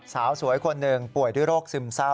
สาวสวยคนหนึ่งป่วยด้วยโรคซึมเศร้า